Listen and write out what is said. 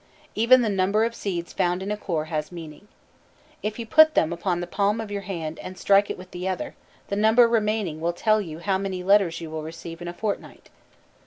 Even the number of seeds found in a core has meaning. If you put them upon the palm of your hand, and strike it with the other, the number remaining will tell you how many letters you will receive in a fortnight.